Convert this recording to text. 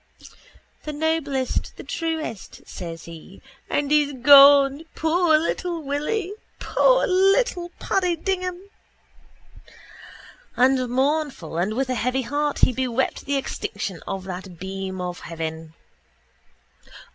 —The noblest, the truest, says he. And he's gone, poor little Willy, poor little Paddy Dignam. And mournful and with a heavy heart he bewept the extinction of that beam of heaven.